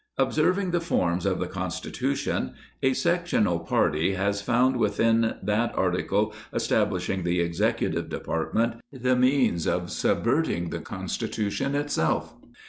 Observing the forms of the Constitution, a sectional party has. found within that article establishing the Executive Department, the means of sub verting the Constitution itself.